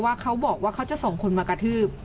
เขาบอกว่าเขาจะส่งคนมากระทืบ